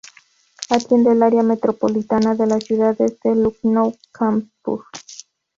Atiende el área metropolitana de las ciudades de Lucknow y Kanpur.